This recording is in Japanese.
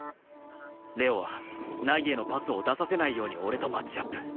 玲王は凪へのパスを出させないように俺とマッチアップ